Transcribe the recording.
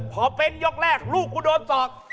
พอเป็นยกแรกลูกกูโดนศอก